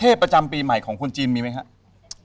ประจำปีใหม่ของคนจีนมีไหมครับ